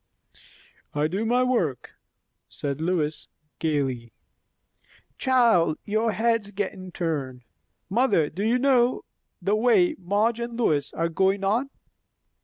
"I do my work," said Lois gaily. "Child, your head's gettin' turned. Mother, do you know the way Madge and Lois are goin' on?"